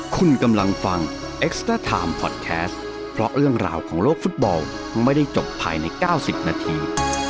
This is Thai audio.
คุณกำลังฟังเอ็กซ์เตอร์ไทม์พอดแคสต์เพราะเรื่องราวของโลกฟุตบอลไม่ได้จบภายใน๙๐นาที